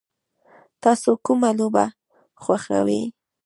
تاسو کومه لوبه خوښوئ؟